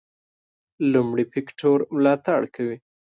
لومړي فکټور ملاتړ کوي.